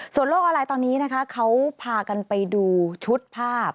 ส่วนโลกออนไลน์ตอนนี้นะคะเขาพากันไปดูชุดภาพ